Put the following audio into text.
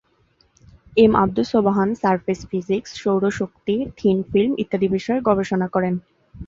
M Abdus Sobhan surface physics, সৌরশক্তি, thin film ইত্যাদি বিষয়ে গবেষণা করেন।